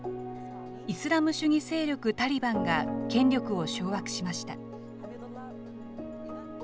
イスラム主義勢力タリバンが権力を掌握しました。